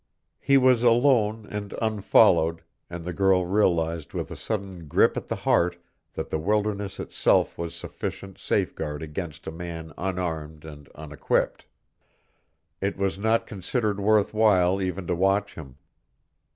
He was alone and unfollowed, and the girl realized with a sudden grip at the heart that the wilderness itself was sufficient safe guard against a man unarmed and unequipped. It was not considered worth while even to watch him.